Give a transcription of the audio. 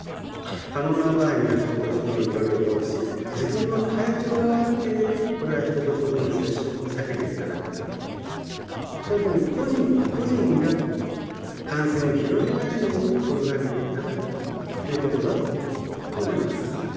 可能な場合には人と人との距離を取るし自分の体調が悪ければ人と人との接触を避けていただくそういうふうに個人個人が感染を広げないように心掛けていただくということだと思います。